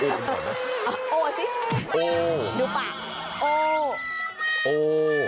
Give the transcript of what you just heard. ดูปาก